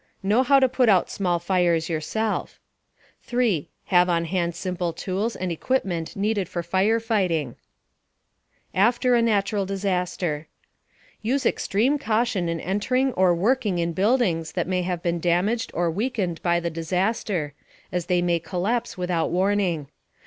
Know how to put out small fires yourself. (See pages 52 54.) 3. Have on hand simple tools and equipment needed for fire fighting. (See page 43.) AFTER A NATURAL DISASTER Use extreme caution in entering or working in buildings that may have been damaged or weakened by the disaster, as they may collapse without warning.